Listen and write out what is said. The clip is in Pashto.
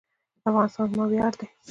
افغانستان زما ویاړ دی؟